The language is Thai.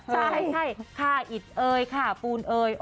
ใช่ค่าอิดเอยค่ะปูนเอย